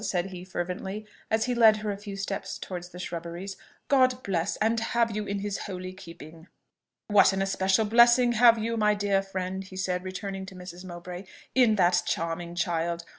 said he fervently, as he led her a few steps towards the shrubberies; "God bless, and have you in his holy keeping!" "What an especial blessing have you, my dear friend," he said, returning to Mrs. Mowbray, "in that charming child!